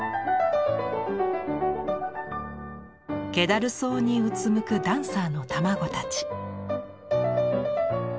けだるそうにうつむくダンサーの卵たち。